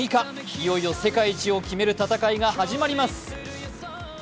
いよいよ世界一を決める戦いが始まります。